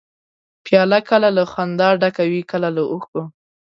پیاله کله له خندا ډکه وي، کله له اوښکو.